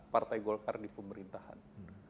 partai golkar di pemerintahan